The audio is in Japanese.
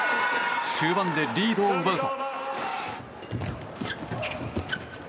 終盤でリードを奪うと。